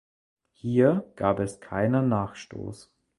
Hier gab es keinen Nachstoß.